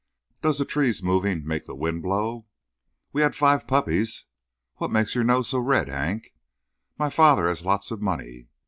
Does the trees moving make the wind blow? We had five puppies. What makes your nose so red, Hank? My father has lots of money.